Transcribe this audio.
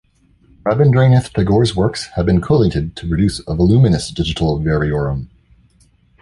Rabindranath Tagore's works have been collated to produce a voluminous digital variorum.